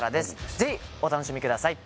ぜひお楽しみください